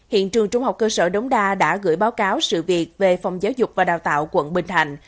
hiện trường trung học cơ sở đống đa đã gửi báo cáo sự việc về phòng giáo dục và đào tạo quận bình thạnh